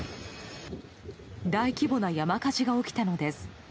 大規模な山火事が起きたのです。